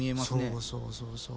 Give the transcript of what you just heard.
そうそうそうそう。